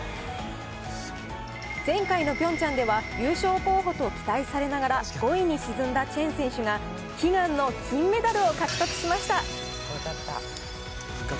前回のピョンチャンでは、優勝候補と期待されながら、５位に沈んだチェン選手が、悲願の金メダルを獲得しました。